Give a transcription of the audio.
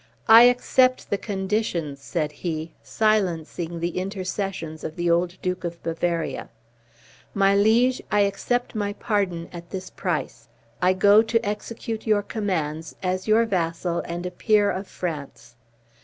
"I accept the conditions," said he, silencing the intercessions of the old Duke of Bavaria; "my liege, I accept my pardon at this price. I go to execute your commands, as your vassal and a peer of France."